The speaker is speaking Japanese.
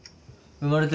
生まれた？